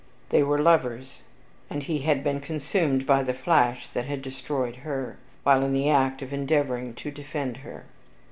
They were lovers, and he had been consumed by the flash that had destroyed her, while in the act of endeavoring to defend her.